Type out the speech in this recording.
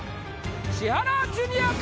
千原ジュニアか？